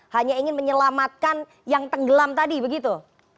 hanya ingin menyelamatkan yang tenggelam tadi begitu